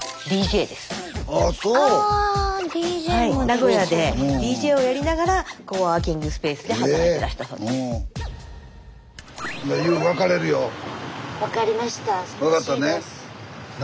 名古屋でＤＪをやりながらコワーキングスペースで働いてらしたそうです。